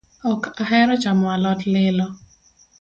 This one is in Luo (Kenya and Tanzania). Ok ahero chamo alot lilo